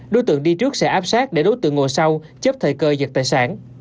đối tượng đi trước sẽ áp sát để đối tượng ngồi sau chấp thời cơ giật tài sản